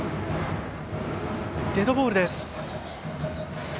デッドボールです。